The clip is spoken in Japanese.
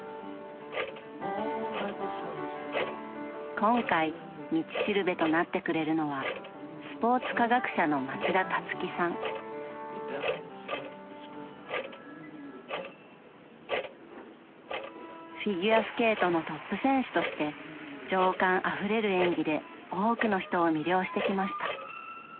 今回「道しるべ」となってくれるのはフィギュアスケートのトップ選手として情感あふれる演技で多くの人を魅了してきました。